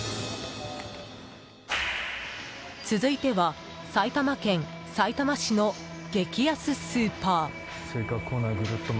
続いては、埼玉県さいたま市の激安スーパー。